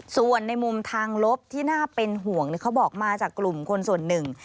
ส่วนในมุมทางลบที่น่าเป็นห่วงเขาบอกมาจากกลุ่มคนส่วนหนึ่ง